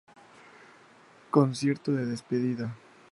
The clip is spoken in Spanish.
Concierto de Despedida